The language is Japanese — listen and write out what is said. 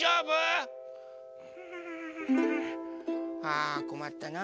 あこまったな。